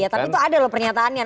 tapi itu ada loh pernyataannya